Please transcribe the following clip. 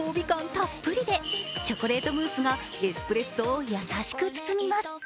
たっぷりで、チョコレートムースがエスプレッソを優しく包みます。